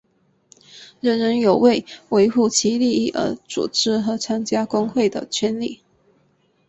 人人有为维护其利益而组织和参加工会的权利。